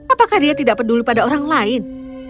apakah dia tidak peduli pada orang lain